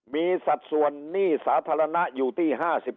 มีสัดส่วนหนี้สาธารณะอยู่ที่๕๗